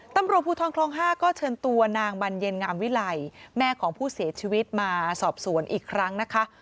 ตำรวจภูทรคลอง๕ก็เชิญตัวนางบรรเย็นงามวิไลแม่ของผู้เสียชีวิตมาสอบสวนอีกครั้งนะคะ